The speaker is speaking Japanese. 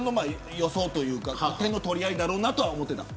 予想というか点の取り合いだろうと思っていた。